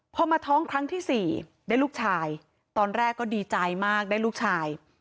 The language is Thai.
พอมาท้องครั้งที่สี่ได้ลูกชายตอนแรกก็ดีใจมากได้ลูกชาย